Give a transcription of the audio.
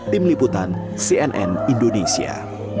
tim liputan cnn indonesia